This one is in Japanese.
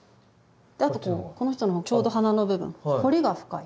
あとこの人のほうがちょうど鼻の部分彫りが深い。